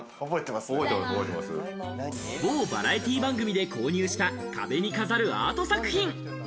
某バラエティー番組で購入した壁に飾るアート作品。